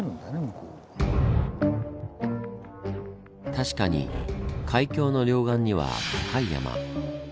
確かに海峡の両岸には高い山。